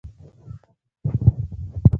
رس د مېوې خوږه ژبه ده